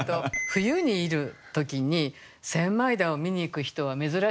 冬に入る時に千枚田を見に行く人は珍しいですよね。